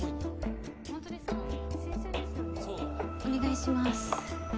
お願いします。